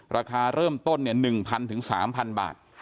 ราคาเริ่มต้น๑๐๐๐บาทถึง๓๐๐๐บาท